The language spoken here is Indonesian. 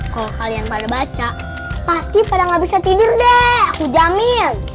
kalau kalian pada baca pasti pada nggak bisa tidur deh aku jamin